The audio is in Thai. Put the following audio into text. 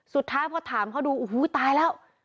สุดท้ายพอถามเขาดูโอ้โหตายแล้ว